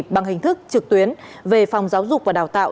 bằng hình thức trực tuyến về phòng giáo dục và đào tạo